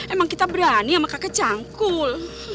emang kita berani sama kakek cangkul